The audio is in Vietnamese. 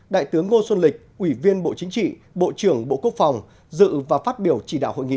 đại tướng ngô xuân lịch ủy viên bộ chính trị bộ trưởng bộ quốc phòng dự và phát biểu chỉ đạo hội nghị